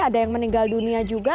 ada yang meninggal dunia juga